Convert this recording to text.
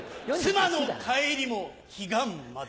妻の帰りも彼岸まで。